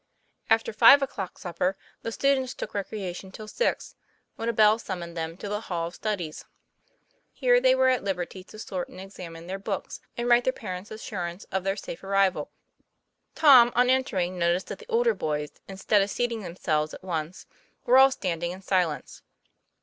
After five o'clock supper, the students took recrea tion till six, when a bell summoned them to the hall of studies. Here they were at liberty to sort and examine their books, and write their parents assurance of their safe arrival. Tom on entering noticed that the older boys, in stead of seating themselves at once, were all stand ing in silence.